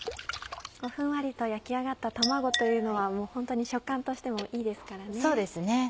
ふんわりと焼き上がった卵というのはもうホントに食感としてもいいですからね。そうですね